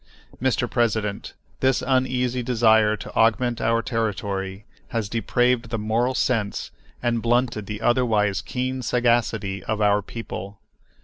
Mr. President, this uneasy desire to augment our territory has depraved the moral sense and blunted the otherwise keen sagacity of our people.